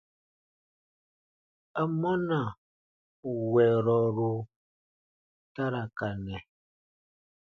Amɔna wɛrɔru ta ra ka nɛ?